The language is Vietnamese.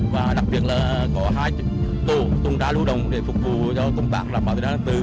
và đặc biệt là có hai tổ tuần tra lưu động để phục vụ cho công tác đảm bảo tình hạn tử